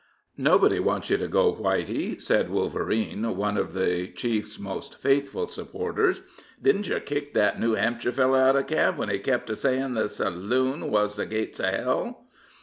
"Nobody wants you to go, Whitey," said Wolverine, one of the chief's most faithful supporters. "Didn't yer kick that New Hampshire feller out of camp when he kept a sayin' the saloon wuz the gate o' hell?"